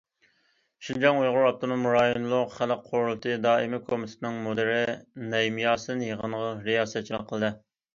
شىنجاڭ ئۇيغۇر ئاپتونوم رايونلۇق خەلق قۇرۇلتىيى دائىمىي كومىتېتىنىڭ مۇدىرى نەيىم ياسىن يىغىنغا رىياسەتچىلىك قىلدى.